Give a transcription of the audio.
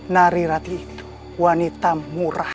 nari rati itu wanita murah